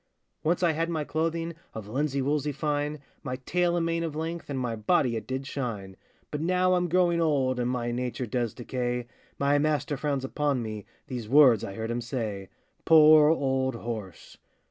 Once I had my clothing Of linsey woolsey fine, My tail and mane of length, And my body it did shine; But now I'm growing old, And my nature does decay, My master frowns upon me, These words I heard him say,— Poor old horse!